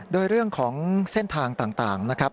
โดยเรื่องของเส้นทางต่างนะครับ